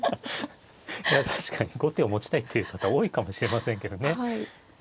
確かに後手を持ちたいっていう方多いかもしれませんけどね。